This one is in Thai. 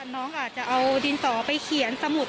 น้องอาจจะเอาดินสอไปเขียนสมุดอะไรอย่างนี้